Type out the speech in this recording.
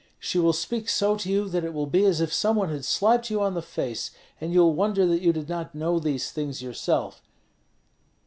She will speak so to you that it will be as if some one had slapped you on the face, and you'll wonder that you did not know these things yourself.